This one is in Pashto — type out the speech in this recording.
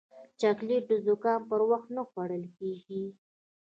چاکلېټ د زکام پر وخت نه خوړل کېږي.